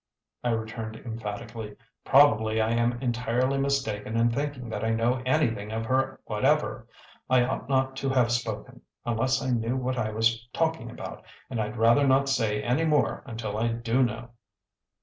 I returned emphatically. "Probably I am entirely mistaken in thinking that I know anything of her whatever. I ought not to have spoken, unless I knew what I was talking about, and I'd rather not say any more until I do know."